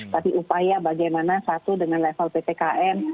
tapi upaya bagaimana satu dengan level ppkm